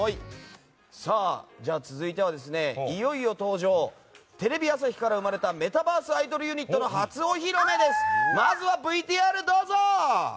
続いてはいよいよ登場テレビ朝日から生まれたメタバースアイドルユニットを初お披露目です。